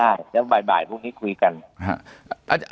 ใช่แล้วบ่ายพรุ่งนี้คุยกัน